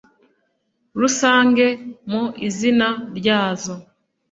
Rusange mu izina ryazo